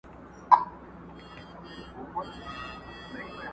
ته لېونۍ خو نه یې؟،